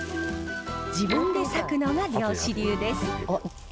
自分で裂くのが漁師流です。